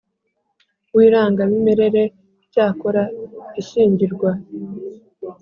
w irangamimerere Icyakora ishyingirwa